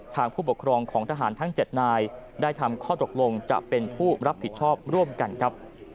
ผู้ปกครองของทหารทั้ง๗นายได้ทำข้อตกลงจะเป็นผู้รับผิดชอบร่วมกันครับ